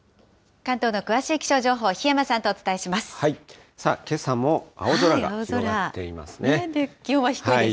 関東の詳しい気象情報、檜山さんとお伝えします。